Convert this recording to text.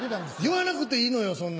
言わなくていいのよそんなん。